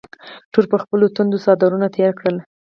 ټولو پر خپلو ټنډو څادرونه تېر کړل.